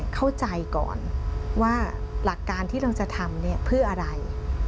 เข้าใจก่อนว่าหลักการที่เราจะทำเนี่ยเพื่ออะไร